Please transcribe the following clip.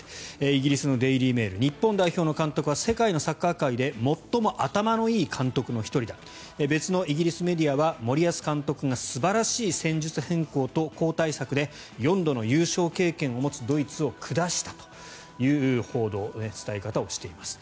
イギリスのデイリー・メール日本代表の監督は世界のサッカー界で最も頭のいい監督の１人だ別のイギリスメディアは森保監督が素晴らしい戦術変更と交代策で４度の優勝経験を持つドイツを下したという報道、伝え方をしています。